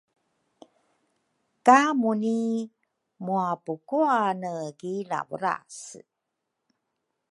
ka Muni muapukuane ki Lavurase.